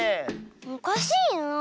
おかしいなあ。